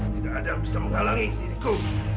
tidak ada yang bisa menghalangi risiko